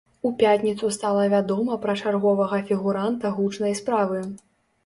У пятніцу стала вядома пра чарговага фігуранта гучнай справы.